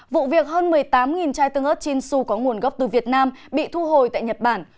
vụ việc hơn một mươi tám chai tương ớt chinsu có nguồn gốc từ việt nam bị thu hồi tại nhật bản